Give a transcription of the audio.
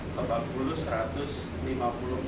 ke bapkulu satu ratus lima puluh empat mm